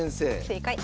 正解。